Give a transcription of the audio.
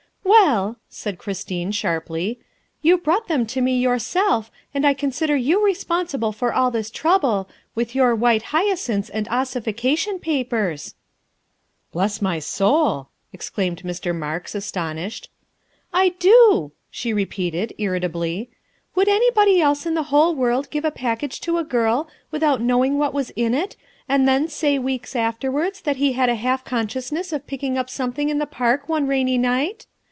" Well," said Christine sharply, " you brought them to me yourself, and I consider you responsible for all this trouble, with your white hyacinths and ossification papers. ''" Bless my soul," exclaimed Mr. Marks, astonished. "I do," she repeated irritably. " Would anybody else in the whole world give a package to a girl without knowing what was in it, and then say weeks afterwards that he had a half consciousness of picking up some thing in the park one rainy night?